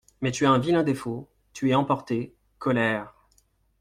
Mais tu as un vilain défaut, tu es emporté, colère…